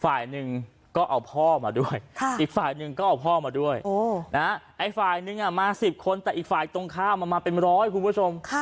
ฝ่ายหนึ่งก็เอาพ่อมาด้วยอีกฝ่ายหนึ่งก็เอาพ่อมาด้วยไอ้ฝ่ายนึงมา๑๐คนแต่อีกฝ่ายตรงข้ามมันมาเป็นร้อยคุณผู้ชม